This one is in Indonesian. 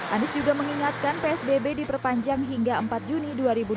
anies juga mengingatkan psbb diperpanjang hingga empat juni dua ribu dua puluh